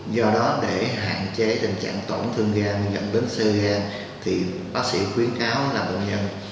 do đó để hạn chế tình trạng tổn thương gan nhận đến sơ gan thì bác sĩ khuyến cáo là bộ nhận